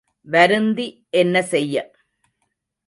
வருந்தி என்ன செய்ய?